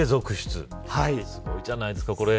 すごいじゃないですか。